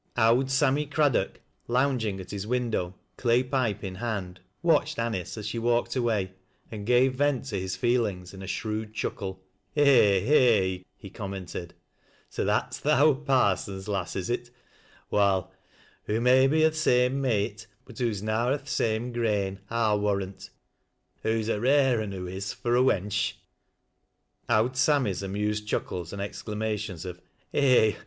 "' Owd Sammy Craddock," lounging at his window^ clay [lijie in hand, watched Anice as she walked away, and [rave vent to his feelings in a shrewd chuckle. " Eh ! eh !" he commented ;" so that's th' owd parson's l>iS3j is it? Wall, hoo may be o' th' same mate, but hoois lis, o' th' same grain, I'll warrant. Hoo's a rare un, hoc is, fur a wench." " Owd Sammy's " amused chuckles, and exclamations of " Eh !